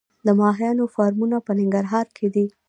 د ماهیانو فارمونه په ننګرهار کې دي